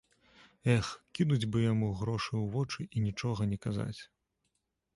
Эх, кінуць бы яму грошы ў вочы і нічога не казаць.